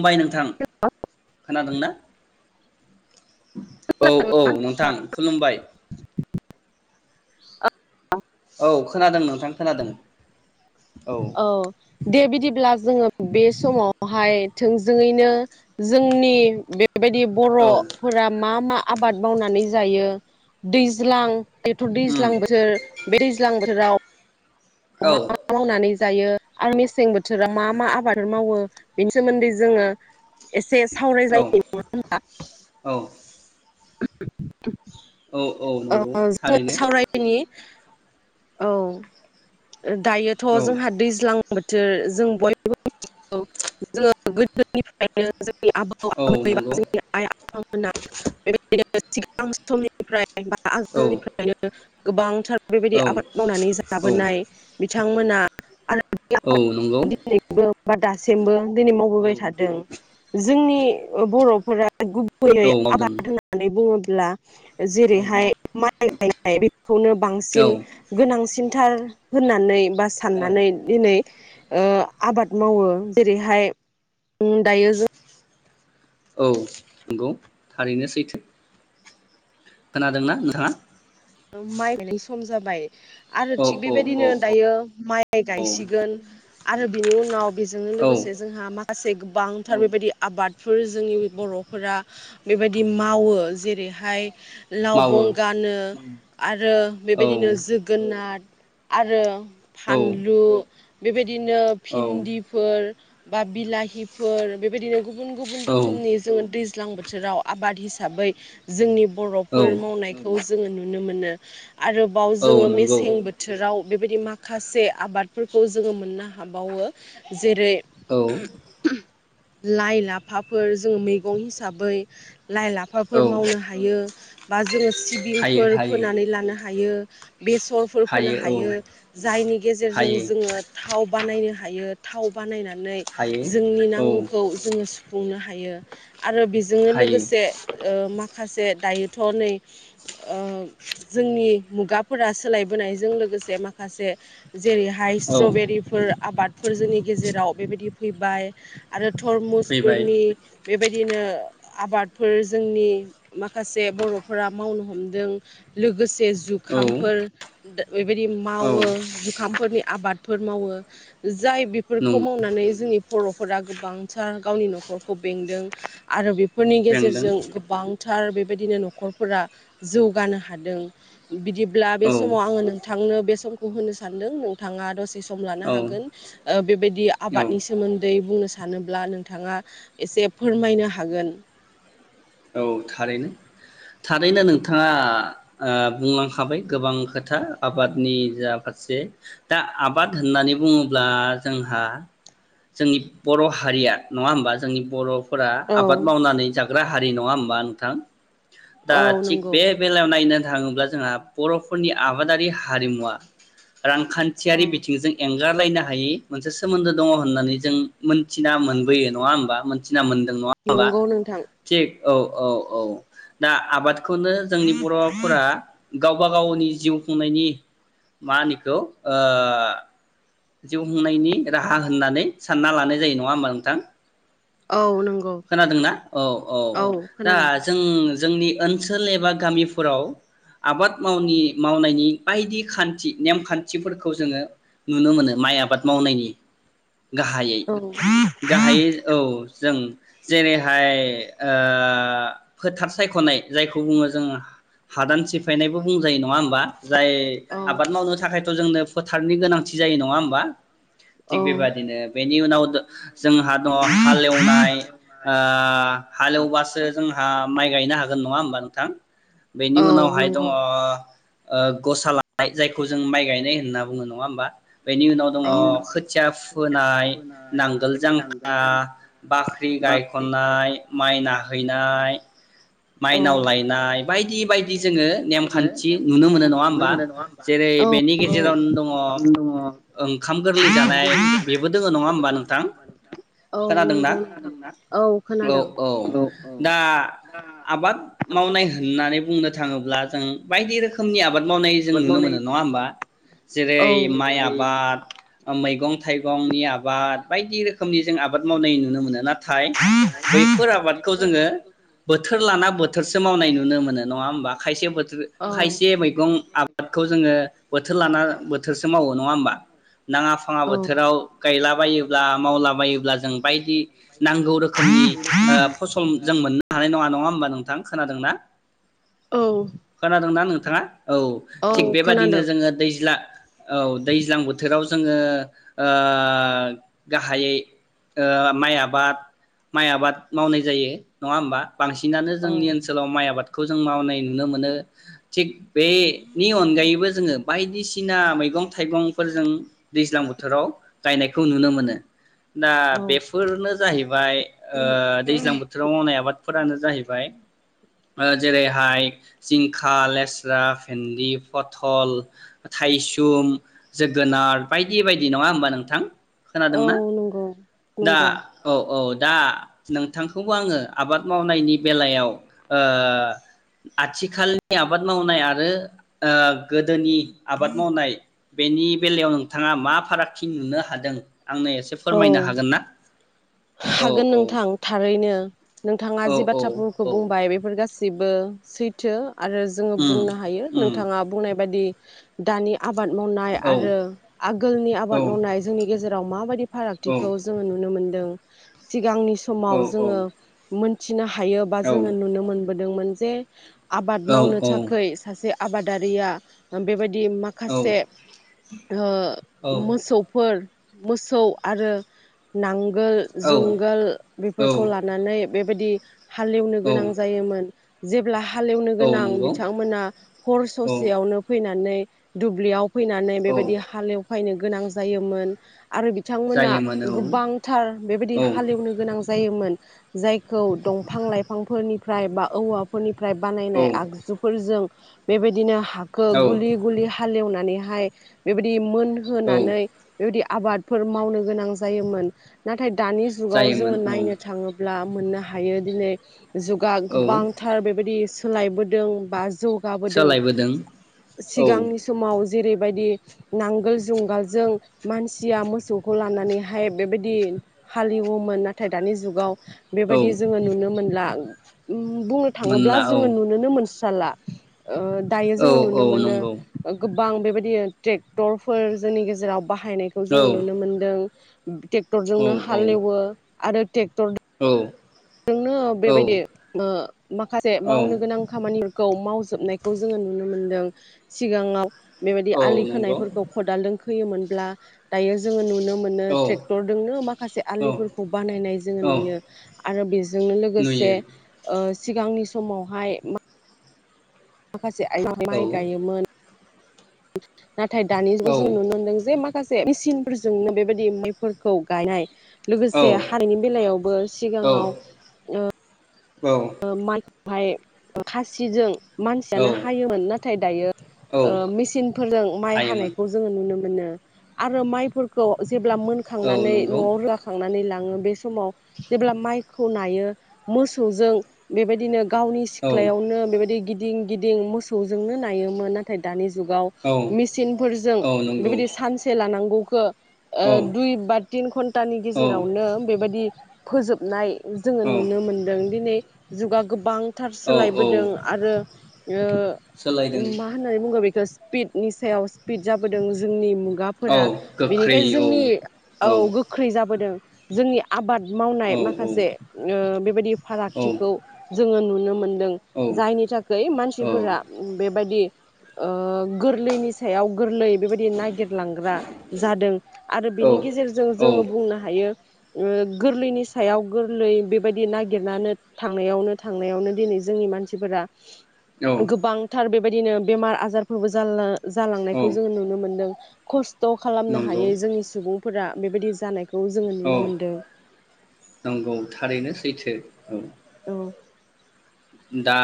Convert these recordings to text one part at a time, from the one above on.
हबाय नोंथां खोनादों ना। औ औ नोंथां खुलुमबाय। औ खोनादों नोंथां खोनादों। औ दे बिदिब्ला जोङो बे समावहाय थोंजोङैनो जोंनि बे बेबायदि औ बर'फोरा मा मा आबाद मावनानै जायो दैज्लां जिथु उम दैज्लां बोथोर बे दैज्लां बोथोराव औ मा मावनानै जायो आरो मेसें बोथोराव मा मा आबादफोर मावो बेनि सोमोन्दै जोङो एसे सावराय जायनि नङा होनबा। औ [unintelligible] औ औ ओ नंगौ जोङो थारैनो सावरायनि औ दायोथ' औ जोंहा दैज्लां बोथोर जों बयबो मिथिगौ जोङो गोदोनिफ्रायनो जों औ नंगौ [unintelligible] सिगां समनिफ्राय औ आगोलनिफ्रायनो गोबांथार बेबायदि औ आबाद मावनानै औ जाबोनाय बिथां मोना औ नंगौ [unintelligible] सिम बो दिनै मावबोबाय थादों जोंनि बरफोरा गुबैयै औ मावदों आबाद होननानै बुङोबा [unintelligible] जेरैहाय माइ गायनाय बेखौनो औ बांसिन गोनांसिन थार होननानै बा साननानै दिनै ओ आबाद मावो जेरैहाय दायो जों औ नंगौ थारैनो सैथो खोनादोंना नोंथाङा? माइ गायनाय सम जाबाय। आरो औ थिग औ बेबायदिनो औ दायो माइ औ गायसिगोन। आरो बिनि उनाव बेजोंनो औ लोगोसे जोंहा मा खासे गोबांथार बेबायदि आबादफोर जोंनि बर'फोरा बेबायदि मावो जेरैहाय मावो लावबं गानो आरो औ बेबायदिनो जोगोनार आरो फानलु बिबायदि दिनो औ भिन्दिफोर बा बिलाहिफोर बेबायदिनो गुबुन गुबुन रोखोमनि जोङो दैज ज्लां बोथोराव आबाद हिसाबै जोंनि औ बरफोर मावनायखौ जोङो नु नुनो मोनो आरोबाव औ जोङो नंगौ मेसें बोथोराव बेबायदि माखासे आबादफोरखौ जोङो मोननो हाबावो जेरै औ लाइ-लाफाफोर जोङो मैगं हिसाबै लाइ लाफाफोर औ मावनो हायो। बा जोङो हायो सिबिंफोर हायो फोनानै लानो हायो। बेसरफोर फोनो हायो जायनि गेजेरजों हायो जोङो थाव बानायनो हायो थाव बानायना नै हायो जोंनि औ नांगौखौ जोङो सुफ बुंनो हायो आरो बेजोंनो हायो लोगोसे ओ माख खासे दायोथ नै ओ जोंनि मुगाफोरा सोलायबोनायजों लोगोसे माखासे जेरैहाय औ स्ट्रबेरिफोर आबाद फोर जोंनि गेजेराव बेबायदि फैबाय आरो फैबाय टरमुसफोरनि बेफ बेबायदिनो आबादफोर जोंनि माखासे बर'फोरा मावनो हमदों लोगोसे - औ जुखामफोर दा बेैबायदि औ मावो जुखाम फोरनि आबादफोर मावो जो जाय बेफोरखौ नंगौ मावनानै जोंनि बर'फोरा गोबांथार गावनि नखरखौ बेंदों आरो बेफोर। फोरनि बेंदों गेजेरजों गोबांथार। आरो बेबायदिनो नखरफोरा जौगानो हाद हादों बिदि अब्ला बे औ समाव आङो नों। नोंथांनो बे समखौ होनो सानदों नोंथाङा दसे सम। सम लानो औ हागोन बेबायदि औ आबादनि सोमोनद उदै बुंनो सानोब्ला नोंथाङा एसे फोरमायनो हागोन। औ थारैनो थारैनो नोंथाङा ओ बुंलांखाबाय गोबां खोथा आबादनि जा फारसे दा आबाद होननानै बुङोब्ला जोंहा जोंनि बर हारिया नङा हबा जोंनि बर' फोरा औ आबाद मावनानै जागोन। ग्रा हारि नङा होनोमबा थां दा औ थिग नंगौ बे बेलायाव नायनो थाङोब्ला जोंहा बर'फोरनि आबादारि हारिमुवा औ रांखान्थियारि बिथिंजों एंगार गारलायनो हायै मोनसे सोमोन्दो दङ होननानै जों मोनथिना मोनबोयो नङा होमबा मोनथियो [unintelligible] नाय मोनदों नङा माबा नंगौ नोंथां थिग औ। औ औ दा आबाद बेखौनो जोंनि बर'फोरा। गावबा गावनि जिउ खुंनायनि मा होनो इखौ ओ जिउ खुंनायनि राहा होननानै सानना लानाय जायो नङा होमा नोंथां। औ। नंगौ खोनादोंना औ औ दा जों। जोंनि ओनसोल एबा गामिफोराव आबाद मावनि मावनायनि बायदि खान्थि नेमखान्थिफोरखौ जोङो नुनो मोनो माइ आबाद मावनायनि गाहायै औ गाहायै औ जों जेरैहाय ओ फोथार सायखनाय जायखौ बुङो जोङो हादान सिफायनायबो बुंजायो नङा होमबा? जाय औ आबाद मावनो थाखाय जोंनो फोथा थारनि गोनांथि जायो नङा होमबा थिग औ बेबादिनो बेनि उनाव दो जोंहा दङ हालेवनाय ओ हालेवबासो जोंहा माइ गायनो हागोन नङा होमबा नों थां बेनि औ उनावहाय दङ नंगौ ओ गसा लानाय जायखौ जों माइ गायनाय होनना बुङो नङा होमबा बेनि उनाव दङ औ खोथिया फोनाय नांगोल जांखा बा गायखननाय माइना हैनाय औ माइनाव लायनाय बायदि बायदि जोङो नेमखान्थि नुनो मोनो नङा होमबा जेरै औ बेनि गेजेरावनो दङ ओंखाम गोरलै जानाय बेबो दोङो नङा होमबा नोंथां औ खोनादोंना नंगौ नोंथां औ खोनादों औ ओ दा आबाद मावनाय होननानै बुंनो थाङोब्ला जों बायदि रोखोमनि आबाद। मावनाय जों नुनो मोनो नङा होमबा जेरै माइ आबाद ओ मैगं थाइगंनि आबाद बायदि रोखोमनि जों आबाद मावनाय नुनो मोनो ना थाय बैफोर आबादखौ जोङो बोथोर लाना बोथोरसो मावनाय नुनो मोनो नङा होमबा खायसे बोथोर औ खायसे मैगं बादखौ जोङो बोथोर लाना बोथोरसो मावो नङा होमबा नाङा फाङा औ बोथोराव गायलाबायोब्ला मावलाबायोब्ला जों बायदि नांगौ रोखोमनि ओ फसल जों मोननो हानाय नङा नङा होमबा नोंथां खोनादोंना औ खोनादोंना नों थाङा औ थिग औ बेबादिनो खोनादों जोङो दैज्ला औ दैज्लां बोथोराव जोङो ओ गाहायै ओ माइ आबाद माइ आबाद मावनाय जायो नङा होमबा बांसिनानो औ जोंनि ओनसोलाव माइ आबाद खौ जों मावनाय नुनो मोनो थिग बे नि अनगायैबो जोङो बायदिसिना मैगं थाइगंफोरजों दैज्लां बोथोराव गायनायखौ नुनो मोनो ना औ बेफोरनो। बाय ओ दैज्लां बोथोराव मावनाय आबाद फोरानो जाहैबाय ओ जेरैहाय जिंखा लेस्रा भिनदि फथल थायसुम जोगोनार बायदि बायदि नङा होमबा नोंथां? औ खोनादोंना नोंगौ दा नंगौ। औ औ दा नोंथांखौबो आंङो आबाद मावनायनि बेलायाव ओ आथिखालनि आबाद मावनाय आरो ओ। गोदोनि आबाद मावनाय। बेनि बेलायाव नोंथाङा मा फारागथि नुनो हादों आंनो एसे फोरमायनो औ हागोन ना? औ हागोन औ नोंथां थारैनो नोंथाङा औ जि औ बाथ्राफुरखौ औ बुंबाय बेफोर गासिबो सैथो। आरो जोङो उम बुंनो हायो उम नोंथाङा बुंनाय बायदि दानि आबाद मावनाय औ आरो आगोलनि औ आबाद मावनाय जोंनि गेजेराव राव मााबादिब औ फारागथिखौ जोंङो नुनो मोन दों सिगांनि औ समाव जोंङो मोन जिनाहा थायोबा औ जोङो नुनो मोन बोदोंमोन जे। आबाद मावनो थाखोय सासे। आबादारिया ओम बेबायद दि माखासे ओ मोसौफोर मोसौ आरो नांग गो औ जुंगाल बेफोरखौ लानानै बेबायदि हालेवनो औ गोनां जायोमोन जेब्ला हालेवनो औ गोनां नंगौ बिथांमोना हर औ ससेयावनो फैनानै दुब्लियाव फैनानै बेबायदि औ हालेवफैनो गोनां जायोमोन आरो बिथांमोना जायोमोन गोबांथार बेबायदि औ हालौनो गोनां जा जायोमोन जायखौ दंफां लाइफांफोरनिफ्राय बा औवाफोरनि ओमफ्राय औ बानायनाय आगजुफोरजों बेबायदिनो हाखो औ गुलि गुलि हालेवनानैहाय बेबायदि मोन औ होनानै बेबायदि आबाद फोर मावनो गोनां जायोमोन नाथाय दानि जुगाव जायोमोन जोंङो औ नायनो थांङोब्ला मोननो हायो दिनै जुगा औ गोबांथार बेबायदि सोलायबोदों बा जौगाबोदों सोलायबोदों औ सिगांनि समाव जेरैबायदि नांगोल जुंगालजों मानसिया मोस मोखौ लानानैहाय बेबायदि हालेवोमोन नाथाय दानि जुगाव औ बेबायदि जोंङो नुनो मोनदों ला बुंनो थाङोब्ला मोनला औ जोंङो नुुनोनो मोनसि साला ओ दायो औ जोंङो औ नुनो मोनो नंगौ ओ गो बां बेबायदि ट्रेक्टरफोर जोंनि गेजेराव बाहायनायखौ औ जों नुनो मोनो नुनो मोनदों। औ ट्रेक्टरजोंनो औ हालेवो। आरो ट्रेक्टर औ। नोंनो बेबायदि ओ माखासे औ मावनो गोनां खामानि खौ मावजोबनायखौ जोंङो नुनो मोनदों सिगाङाव बेबायदि औ आलि नंगौ खोनायफोरखौ खदालदों फैयोमोनब्ला दायो जोंङो नुनो मोनो औ ट्रेक्टरजोंनो माखासे औ आलिफोरखौ बानायनाय जोङो औ नुयो आरो बेजोंनो लोगोसे नुयो ओ सिगांनि समावहाय मा माखासे आइजोफोरा औ माइ गायोमोन। [inaudible] नाथाय दानि औ जुगाआव जों नुनो मोन्दों जे मा माखासे मेसिनफोरजोंनो बेबायदि मायफोरखौ गायनाय लोगोसे हानि बेलायावबो औ सिगाङाव ओ औ ओ माइ माइ खासिजों औ मानसियानो हायोमोन नाथाय दायो औ मेसिनफोरजों माइ हायोमोन हानायखौ जोंङो नुनो मोनो मोनो आरो माइफोरखौ जेब्ला औ मोनखांनानै नंगौ नआव रोगाखांनानै ला ओ बे समाव जेब्ला माइखौ नायो मोसौजों बेबायदिनो गावनि औ सिथ्लायावनो बेबायदि गिद गिदिं-गिदिं मोसौजोंनो नायोमोन नाथाय दानि जुगाव औ मेचिनफोरजों औ नंगौ बेबायदि सानसे लानां [unintelligible] ओ औ दुइ बा तिन घन्टानि औ गेजेरावनो बेबायदि फोजोबनाय जोङो औ नुनो मोनदों दिनै। जुगा गोबां थार औ औ सोलायबोदों आरो ओ सोलायदों मा होननानै बुंगोन बे स्पिडनि सायाव स्पिड जाबोदों जोंनि मुं औ खगाफोरा गोख्रै बिनिखायनो औ जोंनि औ गोख्रै जाबोदों। जोंनि आबाद मावनाय औ औ माखासे ओ बिदि फाराग औ थिखौ जोङो नुनो मोन दों जायनि थाखै मानसिफोरा बेबायदि ओ गोरलैनि सायाव गोरलै। बेबायदि नागिरलांग्रा जादों आरो औ बेनि गेजेरजों औ औ जोजोंङो बुंनो हायो ओ गोरलैनि सायाव गोरलै बेबायदि नागिरनानो थांनायावनो थांनायावनो दिनै जोंनि मानसिफोरा गोबांथार बेब बेबायदिनो बेमार आजारफोरबो जालला जालांनायखौ जोङो नुनो मोनदों खुस थ खालामनो नंगौ हायो जोंनि सुबुं फोरा बेबायदि जानाय औ नंगौ थारैनो सैथो। ओं औ दा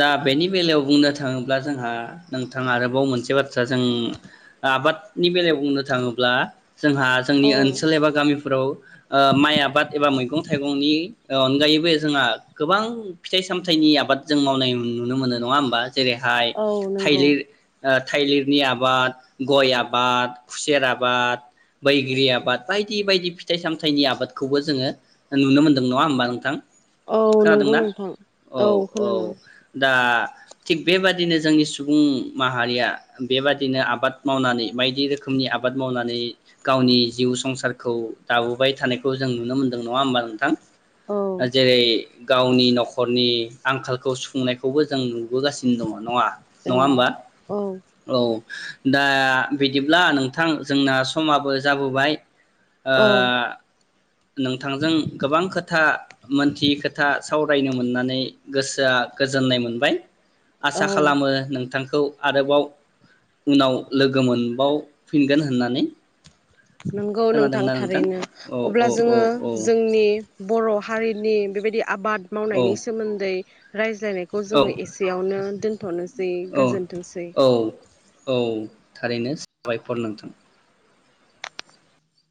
दा बेनि बेलायाव बुंनो थाङोब्ला जोंहा नोंथां आरोबाव मोनसे बाथ्रा जों आबादनि बेलायाव बुंनो थाङोब्ला जोंहा जोंनि औ ओनसोल एबा गामिफोराव ओ माइ आबाद एबा मैगं थाइगंनि अनगायै बे जोंहा गोबां फिथाइ सामथाइनि आबाद जों मावनाय नुनो मोनो नङा होमबा। जेरैहाय औ नंगौ थाइलिर थाइलिरनि आबाद, गय आबाद, खुसेर आबाद, बैग्रि आबाद, बायदि बायदि फिथाइ सामथाइनि आबादखौबो जोङो नुनो मोनदों। नङा होमबा नोंथां। औ नंगौ खोनादोंना नोंथां। औ औ दा आ थिग बेबादिनो जोंनि सुबुं माहारिया बेबादिनो आबाद मावनानै बायदि रोखोमनि आबाद मावनानै गावनि जिउ संसारखौ दाबोबाय थानायखौ जों नुनो मोनदों नङा होमबा नोंथां ‌ औ ओ जेरै गावनि नख नखरनि आंखालखौ सुफुंनायखौबो जों नुबोगासिनो दंङ नंङा? औ नङा होमबा औ औ दा बिदिब्ला नोंथां जोंना समाबो जाबोबाय। ओ औ नोंथांजों गोबां खोथा मोनथियै खोथा सावरायनो मो मोननानै गोसोआ गोजोननाय मोनबाय। औ आसा खालामो नोंथांखौ आरोबाव उनाव लोगो मोनबावफिनगोन होननानै नंगौ नोंथां थारैनो, औ औ अब्ला औ जोङो औ जोंनि बर' हारिनि बेबायदिया आबाद औ मावनायनि सोमोन्दै राय ज्लायनायखौ जोङो एसेयावनो दोनथ'नो ओ औ औ थारैनो साबायखर नोंथां।